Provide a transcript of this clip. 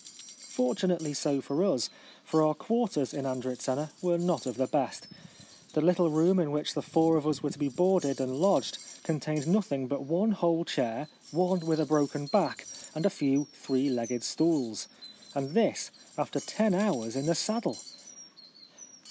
Fortunately so for us, for our quarters in And ritzena were not of the best. The little room in which the four of us were to be boarded and lodged con tained nothing but one whole chair, one with a broken back, and a few three legged stools. And this after ten hours in the saddle